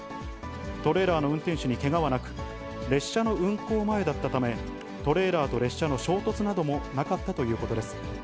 トレーラーの運転手にけがはなく、列車の運行前だったため、トレーラーと列車の衝突などもなかったということです。